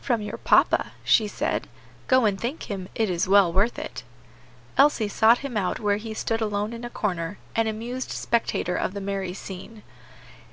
"From your papa," she said. "Go and thank him: it is well worth it." Elsie sought him out where he stood alone in a corner, an amused spectator of the merry scene.